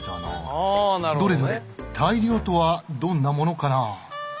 どれどれ大量とはどんなものかな？